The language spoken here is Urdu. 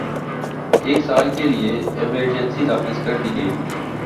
ایک سال کے لیے ایمرجنسی نافذ کر دی گئی